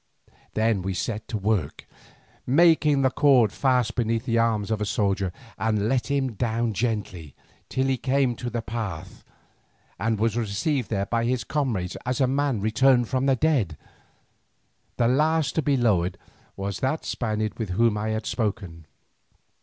Then we set to work. Making the cord fast beneath the arms of a soldier we let him down gently, till he came to the path, and was received there by his comrades as a man returned from the dead. The last to be lowered was that Spaniard with whom I had spoken.